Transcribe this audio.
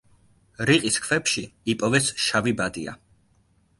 რიყის ქვებში იპოვეს შავი ბადია.